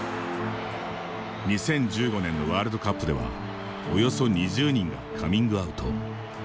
２０１５年のワールドカップではおよそ２０人がカミングアウト。